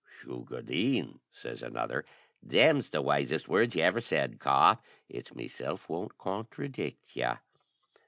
"Shu gu dheine," says another; "them's the wisest words you ever said, Kauth; it's meeself won't contradict you."